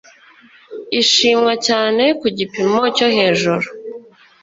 ishimwa cyane ku gipimo cyohejuru